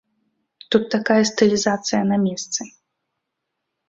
Тут такая стылізацыя на месцы.